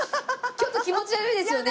ちょっと気持ち悪いですよね。